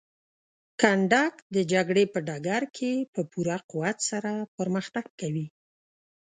کنډک د جګړې په ډګر کې په پوره قوت سره پرمختګ کوي.